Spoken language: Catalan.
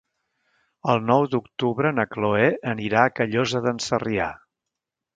El nou d'octubre na Chloé anirà a Callosa d'en Sarrià.